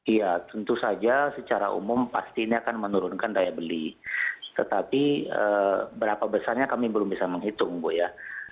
iya tentu saja secara umum pasti ini akan menurunkan daya beli tetapi berapa besarnya kami belum bisa menghitung bu ya